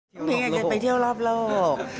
พี่อยากจะไปเที่ยวรอบโลก